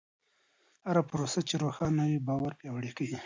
هره پروسه چې روښانه وي، باور پیاوړی کوي.